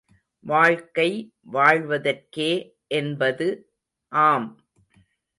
வாழ்க்கை வாழ்வதற்கே என்பது, ஆம்!